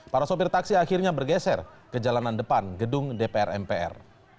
para sopir taksi akhirnya bergeser ke jalanan depan gedung dpr mpr